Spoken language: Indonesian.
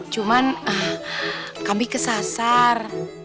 cuman kami kesasar